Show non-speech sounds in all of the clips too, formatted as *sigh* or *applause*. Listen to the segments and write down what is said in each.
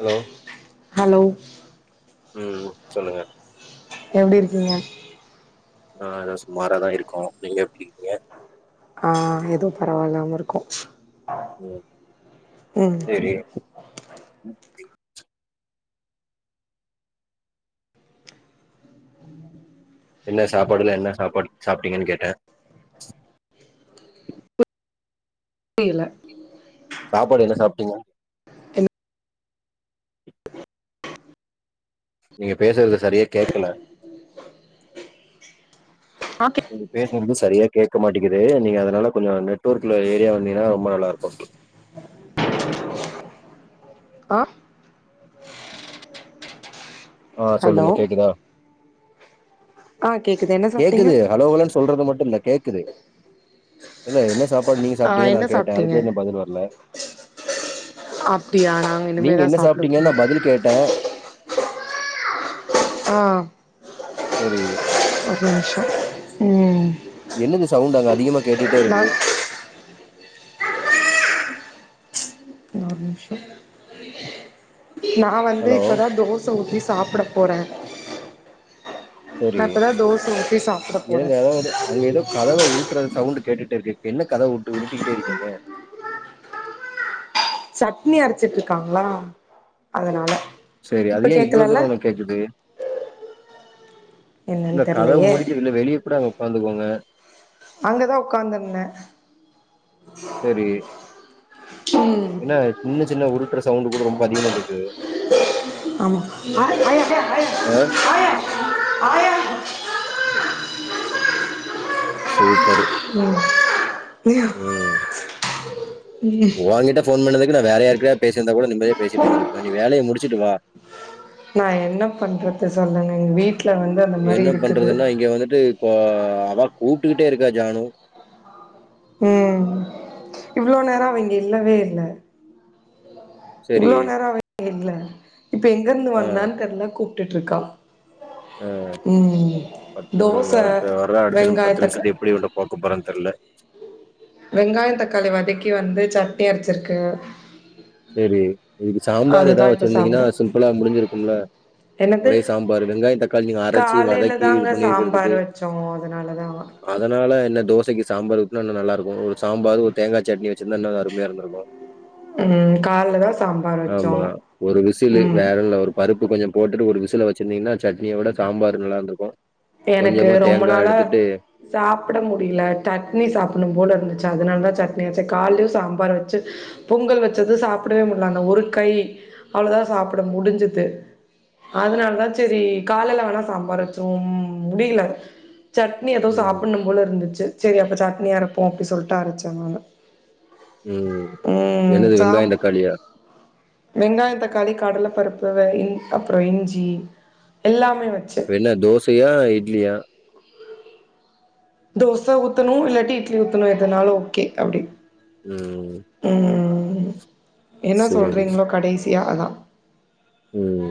Hello hello உம் சொல்லுங்க எப்டி இருக்கீங்க ஆ சுமாராதா இருக்கோ நீங்க எப்டி இருக்கீங்க ஆ எதோ பரவால்லாம இருக்கோ உம் ம் சேரி ம் ச்ச என்ன சாப்பாடுல என்ன சாப்பாடு சாப்ட்டீங்கனு கேட்டே டியல சாப்பாடு என்ன சாப்ட்டீங்க என்ன நீங்க பேசுறது சரியா கேக்கல ஓகே நீங்க பேசுறது சரியா கே கேக்க மாட்டேங்குது நீங்க அதனால கொஞ்சோ நெட்ஒர்க்ல ஏரியா வந்தீங்கனா ரொம்ப நல்லா இருக்கு ஆ ஆ ஹலோ சொல்லுங்க கேக்குதா ஆ கேக்குது என்ன சாப்ட்டீங்க கேக்குது ஹலோ ஹலோன்னு சொல்றது மட்டு கே கேக்குது இல்ல என்ன சாப்ப பாடு நீ ஆ சாப்பிட்டீங்க நா என்ன கேட்டே சாப்ட்டீங்க அதுக்கே இன்னு பதில் வரல அப்டியா நாங்க நீங்க இனிமேதா என்ன சாப்ட சாப்ட்டீங்கன்னு நா போறோம் பதில் கேட்டே ஆ சரி உம் உம் என்னது சவுண்டு அங்க அதிகமா கேட்டுகிட்டே இருக்கு ஒரு நிம்ஷோ நா வந்து ஹலோ இப்பதா தோச ஊத்தி சாப்ட போறே செரி நா இப்பதா தோச ஊத்தி சாப்ட போறே ஏங்க அங்க ஏதோ கதவ உருட்ற சவுண்டு கேட்டுட்டு இருக்கே என்ன கதவ உருடிட்டே இருக்கீங்க சட்னி அரச்சிட்டு இருக்காங்களா அதனால சரி அது இப்ப ஏ இவ்வள கேக்கலல்ல தூரம் வர கேக்குது இல்ல என்னன்னு கதவு தெர்லயே முடிட்டு இல்ல வெளிய கூட அங்க உக்காந்துக்கோங்க அங்கதா ஒக்காந்துருந்தே செரி ம் ஏன்னா சின்ன சின்ன உருட்டுற சவுண்டு கூட ரொம்ப அதிகமா கேக்குது ஆமா ஆ ஆ ஆ ஆ ஆயா ஆயா அம்மா *unintelligible* சூப்பரு உம் ஓங்கிட்ட ஃபோன் பண்ணத நா வேறயார்கூடயாது பேசியிருந்தா கூட நிம்மதியா பேசிட்டு இருந்துருப்பே நீ வேலய முடிச்சுட்டு வா நா என்ன பண்றது சொல்லுங்க எங்க வீட்டு என்ன பண்றதுன்னா இங்க வந்துட்டு இப்போ அவா கூப்டுக்கிட்டே இருக்க ஜானு உம் இவ்ளோ நேரோ அவ இல்லவே இல்ல சரி இவ்ளோ நேரோ அவ இங்க இல்ல *inaudible* இப்ப எங்க இருந்து வந்தான்னு தெர்ல கூப்டு ட்டுருக்கா அ தோச பத்து அடுத்து வர்ர அடுத்து வெங்காய பத்து தக்கா நிமிஷத்த எப்டி உன்ன பாக்க போரேனு தெர்ல வெங்காய தக்காளி வதக்கி வந்து சட்னி அரச்சிருக்கு சேரி இதுக்கு சாம்பார் ஏதாவது வச்சிருந்தீங்கனா சாப்பிடும் சிம்பிளா முடிஞ்சிருக்கும்ல என்னது ஒரே சாம்பார் வெங்காய தக்காளி நீங்க அரச்சி காலையில வதக்கி இது தாங்க சாம்பார் பண்ணிருக்கிறதுக்கு வச்சோம் அதனாலதான் அதனால என்ன தோச தோசைக்கு சாம்பார் ஊத்னா இன்னு நல்லா இருக்கு ஒரு சாம்பார் ஒரு தேங்கா சட்னி வெச்சிருந்தா இன்னு நல்லா அருமையா இருந்திருக்கு ம் கால்ல தா சாம்பார் வச்சோ ஆமா ஒரு விசிலு ம் வேற ஒன்னு இல்ல ஒரு பருப்பு கொஞ்சோ போட்டுட்டு ஒரு விசில வச்சிருந்தீங்கனா சட்னிய விட சாம்பார் நல்லா இருந்துருக்கும் எனக்கு ரொம்ப நாளா சாப்ட முடியல சட்னி சாப்பிடணும் போல இருந்துச்சு அதனால தா சட்னி வெச்சே காலேயு சாம்பார் வச்சு பொங்கல் வச்சது சாப்டவே முடியல அந்த ஒரு கை அவ்ளவுதா சாப்ட முடுஞ்சது அதனால தான் சேரி காலேல வேணா சாம்பார் வச்சுருவோ முடியல சட்னி ஏதோ ம் சாப்பிட்னும் போல இருந்துச்சு சரி அப்ப சட்னி இதயே அரப்போம் அப்டி சொல்லிட்டு அரச்சே நானு ம் உம் என்னது சாப் வெங்காயம் தக்காளியா வெங்காய தக்காளி கடல பருப்பு வ அப்றோ இஞ்சி எல்லாம் என்ன தோ ச ஏ இட்லியா தோச ஊத்தணு இல்லாட்டி இட்லி ஊத்தணு எதுனாலு ஓகே அப்டி உஹம் உ என்ன சொல்றீங்களோ கடைசி ஆனா உம்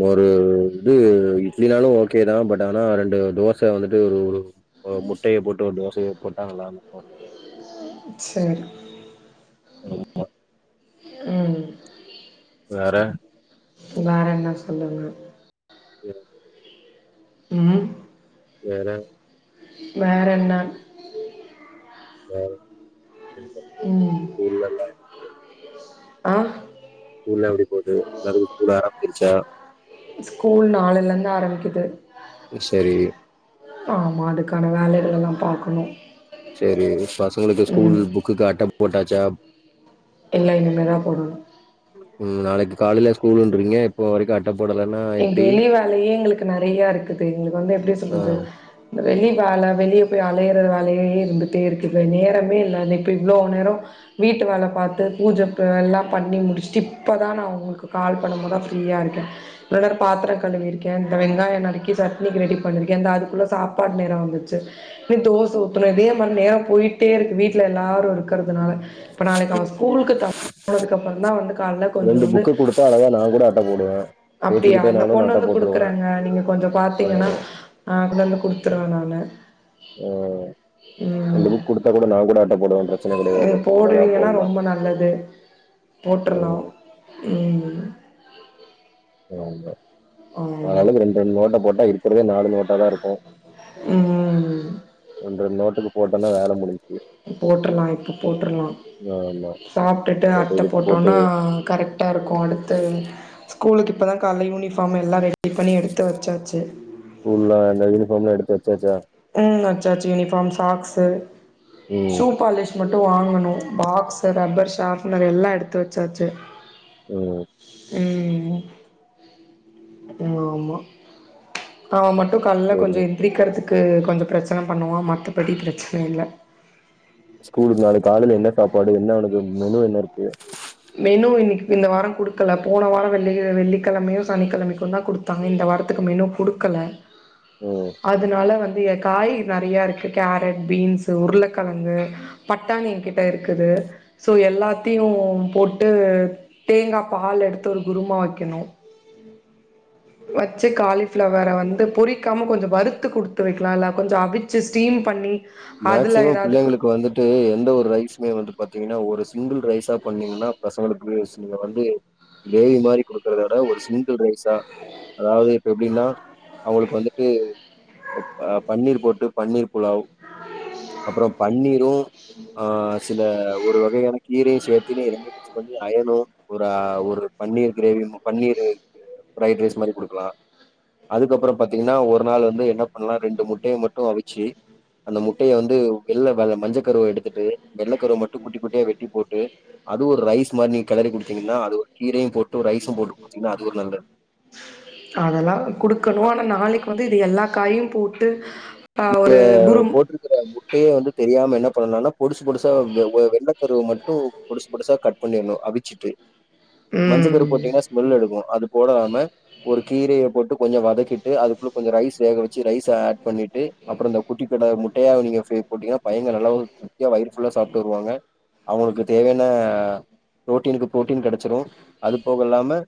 வொரு இது இட்லினாலும் ஓகே தான் பட் ஆனா ரெண்டு தோசை வந்துட்டு ஒரு ஒரு முட்டையை போட்டு ஒரு தோசையை போட்டா நல்லா இருக்கும் செரி *inaudible* உம் வேற உம் வேற என்ன சொல்லுங்க ஹம் உஹம் வேற வேற என்ன உஹம் செரி ம் பாருங்க ஆ ஸ்கூல்லாம் எப்டி போகுது நல்லா போகுதா இல்லையா ஸ்கூல் நாளைல இருந்து ஆரம்பிக்குது செரி ஆமா அதுக்கான வேலைகள் எல்லாம் பாக்கணும் செரி பசங்களுக்கு ஸ்கூல் புக்குக்கு அட்டை போட்டாச்சா எல்லாம் இனிமேதான் போடணும் உம் நாளைக்கு காலைல ஸ்கூல்ன்ற்றிங்க இப்போ வரைக்கும் ஏ வெளி வேலையே எங்களுக்கு நிறைய இருக்குது எங்களுக்கு வந்து எப்படி ஆ சொல்றது இந்த வெளிய வேலை வெளியே போய் அலையற வேலையே இருந்துகட்டே இருக்குது நேரமே இல்லை அ இப்போ இவ்வளோ நேரம் வீட்டு வேலை பார்த்து பூஜை எல்லாம் பண்ணி முடிச்சுட்டு இப்போ தான் நான் உங்களுக்கு கால் பண்ணும்போதுதான் ஃப்ரீயாக இருக்கேன் இவ்ளோ நேரம் பாத்திரம் கழுவி இருக்கேன் இந்த வெங்காயம் நறுக்கி சட்னிக்கு ரெடி பண்ணியிருக்கேன் அந்த அதுக்குள்ளே சாப்பாடு நேரம் வந்துச்சு இன்னும் தோசை ஊத்தணும் இதே மாதிரி நேரம் போயிட்டே இருக்குது வீட்டில் எல்லோரும் இருக்கிறதுனால இப்ப நாளைக்கு அவன் ஸ்கூலுக்கு போனதுக்கு அப்புறம் தான் வந்து காலைல ரெண்டு கொஞ்சம் வந்து புக்க குடுத்தா அழகா நா கூட அட்ட போடுவே அப்படியா பேசிக்கிட்டே அந்த நானு கொண்டு அட்ட வந்து போட்ருவே குடுக்குறாங்க நீங்க கொஞ்சம் ஆ பாத்தீங்கன்னா அ கொடுத்துருவேன் நானு உஹம் ரெண்டு ம் புக் கொடுத்தா கூட நான் கூட அட்ட போடுவேன் பிரச்சனை இது கிடையாது அழகா போடுவீங்கன்னா போடலாம் ரொம்ப நல்லது உம் உம் வாங்க ஆளுக்கு ரெண்டு ரெண்டு நோட்டு போட்ட ட்ட இருக்கறத நாலு நாள் ம் க்கு போட்டனா வேல முடியு போட்டுரலா இப்போ போட்டுரலா ஆமா. சாப்ட்டுட்டு போட்டு அட்ட இதுக்கு போட்டு போட்டோனா கரெட்டா இருக்கு அடுத்து கூல்க்கு இப்ப. தா கால்ல யூனிஃபார்ம்ம ஸ்கூல்லா அந்த யூனிஃபார்ம் ம்லா எடுத்து வப் போச்ச ம் ஆச்சி ஆச்சி யூனிஃபார்ம் சாக்ஸ்சு ம், ஷூ பாலிஷ் மட்டு வாங்கணும் பாக்ஸ் ரப்பர் ஷாப்னர் எல்லா எடுத்து வச்சாச்சு ம் ம் ம் ம் ம் ம் ஆமா நா மட் டு கால்ல சரி. கொஞ்ச எந்திரிக்கிறதுக் கொஞ்ச பிரச்சன பண்ணுவ மத்தபடி பிரச்சன இல்ல ஸ்கூலுக்கு நாளைக் காலைல என்ன சாப்பாடு என்ன அவனக் மெனு என்ன இருக்கு மெனு இன்னைக்கு இந்த வார குடுக்கல போன வார வெள்ளி வெள்ளிக்கிழமையு சனிக்கிழமைக்கு தா குடுத்தாங்க இந்த வாரத்துக்கு மெனு குடுக்கல ம். அதனால வந்து எ காய் நறைய இருக்கு கேரட் பீன்ஸ் உருளக்கெலங்கு பட்டானி எ கிட்ட இருக்குது சோ எல்லாத்தையு போட்டு தேங்கா பால் எடுத்து ஒரு கூருமா வைக்கணு வச்சு காலிப்ளவற வந்து பொறிக்காம கொஞ்ச வறுத்து குடுத்து வைக்கலா இல்ல கொஞ்ச அவிச்சு ஸ்டீம் பண்ணி அதுல மேக்சிமம் ஏதாவது குட் பிள்ளைங்களுக்கு வந்துட்டு எந்த ஒரு ரைசுமே வந்து பாத்தீங்கன்னா ஒரு சிங்கள் ரைஸ் பண்ணீங்கன்னா பசங்களுக் நீங்க வந்து கிரேவி மாதிரி கொடுக்கறத விட ஒரு சிங்கிள் ரைஸா அதாவது இப்ப எப்டின்னா அவுங்களுக்கு வந்துட்டு ப பன்னீர் போட்டு பன்னீர் புலாவ் அப்பற பன்னீரு ஆ சில ஒரு வகையான கீரையு சேத்தன்னு நீ இரண்டு பண்ணி அயனு ஒரு-ஒரு paneer gravy paneer fry rice மாரி குடுக்கலா அதுக்கப்புற பாத்தீங்கன்னா ஒரு நாள் வந்து என்ன பண்லா ரெண்டு முட்டைய மட்டு அவிச்சு அந்த முட்டையை வந்து வெள்ள வெ மஞ்ச கருவ எடுத்துட்டு வெள்ள கருவ மட்டு குட்டி குட்டியா வெட்டி போட்டு அது ஒரு ரைஸ் மாரி நீங்க கிளறி குடுத்தீங்கன்னா அது ஒரு கீரையு போட்டு ரைஸு ம் போட்டு குடுத்தீங்கன்னா அது ஒரு நல்லது அதெல்லா குடுக்கணு ஆனா நாளைக்கு வந்து இது எல்லா காயு போட் ட்டு இப்ப போட்ருக்கற முட்டையே வந்து தெரியாம என்னப் சொண்ணனா பொடிசு பொடுசா வெள்ள கருவ மட்டு பொடிசு பொடுசா கட் பண்ணிருனோ அவிச்சுட்டு மஞ்ச கரு ம் போட்டீங்கன்னா ஸ்மெல் அடிக்கு அது போடலாமே ஒரு கீரையை போட்டு கொஞ்ச வதக்கிட்டு அதுக்குள்ள கொஞ்ச ரைஸ் வேக வச்சு ரைஸ் ஹட் பண்ணிட்டு அப்பற இந்த குட்டி கடை முட்டையா நீங்க ஃப்ரை பிறகு போட்டீங்கன்னா பையங்க நல்லாவ திருப்தியா வயிறு ஃபுல்லா சாப்ட்டு வருவாங்க அவுங்களுக்கு தேவையான பு்ரோட்டீனுக்கு ப்ரோட்டீன் கெடைச்சிடு அது போக இல்லாம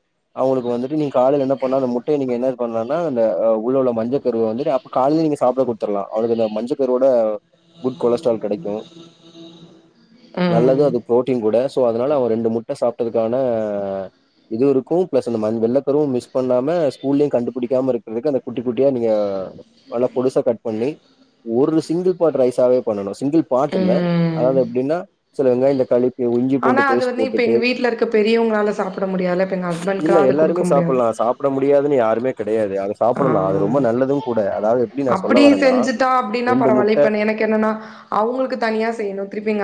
அவுங்களுக்கு வந்துட்டு நீங்க கால்ல என்ன பண்ணா அந்த முட்டையை நீங்க என்ன பண்லானா அந்த உள்ள உள்ள மஞ்ச கருவ வந்துட்டு அப்பற காலையல நீங்க சாப்டாம குடுத்துராலா அவக்கு இந்த மஞ்ச கருயோட. குட் கொலஸ்ட்ரால் கெடைக் ஹலோ நல்லது ம் அது பு்ரோட்டீன் கூட சோ அ இதனால அவ ரெண்டு முட்ட சாப்ட்டதுக்கான இதுவு இருக்கு பிளஸ் அந்த மண் வெள்ளகருவு மிஸ் பண்ணாம ஸ்கூல்லயு கண்டுபுடிக்காம இருக்கிறதுக்கு அந்த குட்டிகுட்டியா நீங்க நல்ல பொடுசா கட் பண்ணி ஒரு சிங்கிள் பாட் ரைஸாவவே பண்ணனு சிங்கிள் பாட்டுல ம் அதாவது எப்பிடின்னா சொல்லுங்க இந்த களிப் ஆனா அது வந்து இப்ப எங்க வீட்ல இருக்க பெரியவங்களால சாப்ட முடியால இப்ப எங்க இல்ல ஹஸ்பண்ட்காது குடுக்க எல்லாருமே முடியாது சாப்பிடலாம். சாப்பிட முடியாதுன்னு யாருமே கிடையாது அது சாப்பலா அது ரொம்ப நல்லதும் கூட அதாவது எப்பிடினா சொ அப்பிடி செஞ்சட்டா அப்பிடின்னா பரவாயில்ல இப்ப நீ எனக்கு என்னன்னா அவங்களுக்கு தனியா செய்யணு திருப்பி எ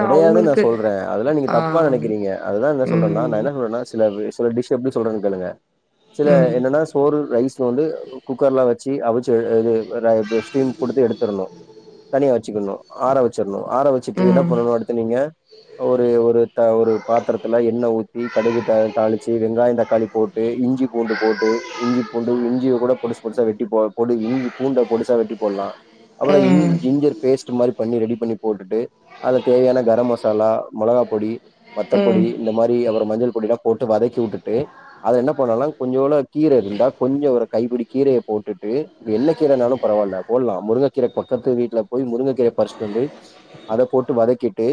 கெடையாது நா சொல்றே அதெல்லா நீங்க ஆ தப்பா நெனைக்கிறீங்க அதுதா என்ன சொல்றோனா நா ம் ம் என்ன சொல்றனா சில விஸ் சில டிஷ் தெ எப்பிடி சொல்றேன்னு கேளுங்க சில ம் என்னன்னா சோறு ரைஸ் போண்டு குக்கர்லா வச் ச்சி அவிச்சி வ இது ரா ப் ஸ்டீம் குடுத்து எடுத்தரணு தனியா ச்சிக்கணு ஆற வட்ச க்குனு ஆரவச்சிட்டு என்னப் ம் ம் *unintelligible* அடுத்து நீங்க ஒரு ஒரு த ஒரு பாத்திரத்துல எண்ணெ ஊத்தி கடுகு த தாளிச்சி வெங்காயோ தக்காளி போட்டு இஞ்சி பூண்டு போட்டு இஞ்சி பூண்டு இஞ்சிய கூட பொடுசு பொடுசா வெட்டி போ பொ இஞ்சி பூண்ட பொடிசா வெட்டி போலா அப்புறோ இஞ் ம் ஜிஞ்சர் பேஸ்ட் மாறி பண்ணி ரெடி பண்ணி போட்டுட்டு அத தேவையான கரம் மசாலா மொளகா பொடி ம் ம் ம் வத்தப்பொடி இந்த மாரி அப்பறோ மஞ்சள் பொடிலா போட்டு வதக்கிவுட்டுட்டு அத என்ன பண்ணலா கொஞ்சோல கீர இருந்தா கொஞ்சோ ஒரு கைபுடி கீரைய போட்டுட்டு என்ன கீரனாலு பரவாயில்ல போலா முருங்ககீர பக்கத்து வீட்டுல போய் முருங்கக்கீர பரிச்சிட்டு வந்து அத போட்டு வதக்கிட்டு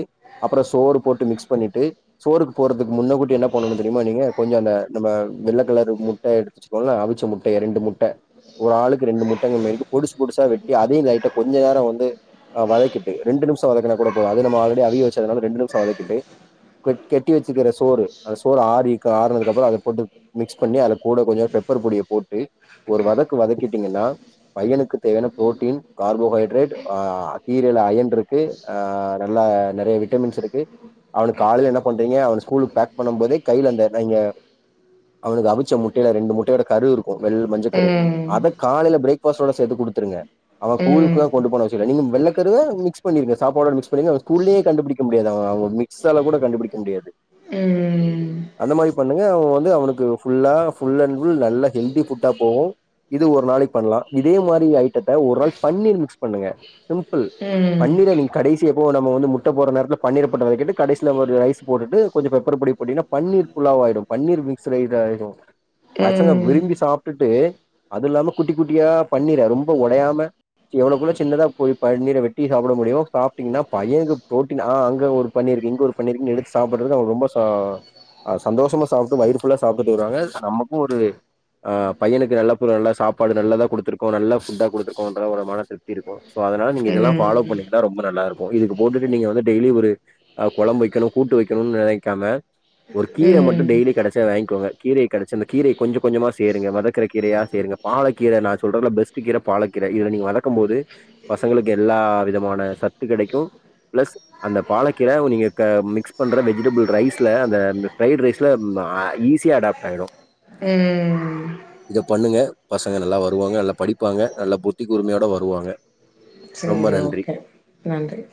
அப்புறோ சோறு போட்டு மிக்ஸ் பண்ணிட்டு சோறுக்கு போறதுக்கு முன்ன கூட்ட என்ன பண்ணணுன்னு தெரியுமா நீங்க கொஞ்சோ அந்த நம்ம வெள்ள கலர் முட்ட எடுத்துச்சுக்கோ அவிச்ச முட்டைய ரெண்டு முட்ட ஒரு ஆளுக்கு ரெண்டு முட்டங்க மேக்கு புடுசு புடுசா வெட்டி அதயு லைட்ட கொஞ்ச நேரோ வந்து வதக்கிட்டு ரெண்டு நிமிஷோ வதக்கினா கூட போ அத நம்ப ஆல்ரெடி அவிய வச்சனால ரெண்டு நிமிசோ வதக்கிட்டு கெட்டி வச்சிரிக்கிற சோறு அந்த சோறு ஆரிக்கா ஆறனதுக்கப்பறோ அத போட்டு மிக்ஸ் பண்ணி அத கூட கொஞ்சோ பெப்பர் பொடிய போட்டு ஒரு வதக்கு வதக்கிட்டீங்கன்னா பையனுக்கு தேவையான புரோட்டின் கார்போஹட்ரேட் ஆ கீரைல அயன்டுருக்கு ஆ நல்லா நெறைய விட்டமின்ஸ் இருக்கு அவனுக்கு காலில என்ன பண்றீங்க அவன ஸ்கூலுக்கு பேக் பண்ணு போதே கைல அந்த டைங்க அவுனுக்கு அவிச்ச முட்டைல ரண்டு முட்டையோடா கரு இரு க்கு வெல் மஞ்சகரு ம் அத காலைல பிரேக்ஃபாஸ்ட்டோட சேத்து குடுத்துருங்க அவ கூலுக்குலா கொண்டு போனா வச்சுருவா நீங்க வெள்ளக்கருவ மிக்ஸ் பண்ணிருங்க சாப்பாடோட மிக்ஸ் பண்ணிருங்க அவ ஸ்கூல்லயே கண்டுபிடிக்க முடியாது அவ அவுங்க மிக்ஸால கூட கண்டுபிடிக்க முடியாது அந்த மாரி பண்ணுங்க அவ வந்து அவனுக்கு ஃபுல்லா ஃபுல் அண்ட் ஃபுல் நல்ல ஹெல்தி ஃபுட்டா போவு இது ஒரு நாளைக் பண்லா இதே மாரி ஐட்டத்த ஒரு நாள் பன்னீர் மிக்ஸ் பண்ணுங்க சிம்பிள் பன்னீர நீ கடைசியா இப்போ நம்ம வந்து முட்ட போட்ற நேரத்துல பன்னீர போட்ட வதக்கிட்டு கடைசில ஒரு ரைஸ் போட்டுட்டு கொஞ்சொ பெப்பர் பொடி போட்டீங்கனா பன்னீர் புலாவ் ஆயிடு பன்னீர் மிக்ஸ் ரைஸ் ஆயிடு பசங்க விரும்பி சாப்டுட்டு அதுல்லாம குட்டி குட்டியா பன்னீர ரொம்ப ஒடயாம எவ்ளவுக்களோ சின்னதா போய் பன்னீர வெட்டி சாப்புட முடியு சாப்டீங்னா பையனுக்கு ப்ரோட்டீன் ஆ அங்க ஒரு பன்னீருக்கு இங்க ஒரு பன்னீருக்குனு எடுத்து சாப்புறதுக்கு அவனுக்கு ரொம்ப ச சந்தோஷமா சாப்டு வயிறு ஃபுல்லா சாப்பிட்டு வருவாங்க நமக்கு ஒரு ஆ பையனுக்கு நல்ல பு நல்ல சாப்பாடு நல்லதா குடுத்துருக்கோ நல்ல ஃபுட்டா குடுத்துருக்கோன்ற ஒரு மன திருப்தி இருக்கு போ அதனால நீங்க இதெல்லா ஃபாலோ பண்ணிக்கனு ம்ப நல்லாருக்கு இதுக்கு போட்டுட்டு நீங்க வந்து டெய்லி ஒரு கொழம்பு வக்கெனு கூட்டு வக்கெனுன் நெனைக்காம ஒரு கீர மட்டு ம் ம் ம் டெய்லி கெடச்சா வாய்கோங்க கீரய கடுச்சு அந்த கீரைய கொஞ்ச கொஞ்சமா சேருங்க வதக்குற கீரையா சேருங்க பாலக்கீர நா சொல்றல பெஸ்ட்டு கீர பாலக்கீர இத நீங்க வதக்கும் போது பசங்களுக்கு எல்லா வித மான சத்து கெடைக்கு பிளஸ் அந்த பாலக்கீர நீங்க க மிக்ஸ் பண்ற வெஜிடபிள் ரைஸ்ல அந்த ஃப்ரைடு ரைஸ்ல அ ஈஸியா அடாப்ட் ஆயிடு ம் இத பண்ணுங்க பசங்க நல்லா வருவாங்க நல்லா படிப்பாங்க நல்ல புத்தி கூர்மையோட வருவாங்க ரொம்ப சேரி நன்றி ஓகே நன்றி